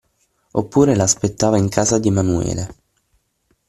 Oppure l'aspettava in casa di Emanuele.